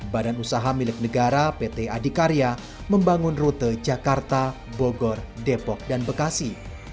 badan usaha milik negara pt adikarya membangun rute jakarta bogor depok dan bekasi